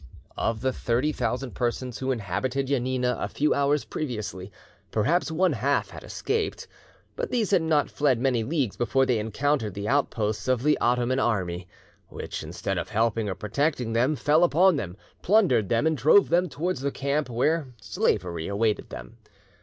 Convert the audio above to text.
Of the thirty thousand persons who inhabited Janina a few hours previously, perhaps one half had escaped. But these had not fled many leagues before they encountered the outposts of the Otto man army, which, instead of helping or protecting them, fell upon them, plundered them, and drove them towards the camp, where slavery awaited them.